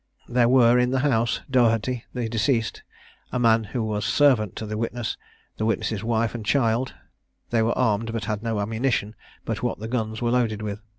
There were in the house, Dougherty, the deceased, a man who was servant to the witness, and witness's wife and child; they were armed, but had no ammunition but what the guns were loaded with.